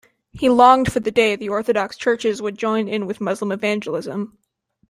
He longed for the day Orthodox churches would join in with Muslim evangelism.